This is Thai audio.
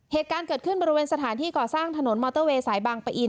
เหตุการณ์เกิดขึ้นบริเวณสถานที่ก่อสร้างถนนมอเตอร์เวย์สายบางปะอิน